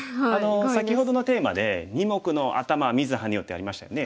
先ほどのテーマで「二目のアタマは見ずハネよ！」ってありましたよね。